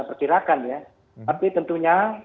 pertirakan ya tapi tentunya